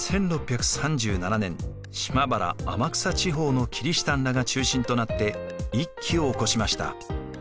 １６３７年島原・天草地方のキリシタンらが中心となって一揆を起こしました。